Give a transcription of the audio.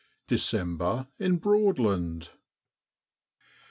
DECEMBER IN BROADLAND.